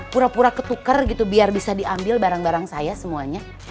pura pura ketuker gitu biar bisa diambil barang barang saya semuanya